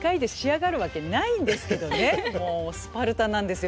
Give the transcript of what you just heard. もうスパルタなんですよ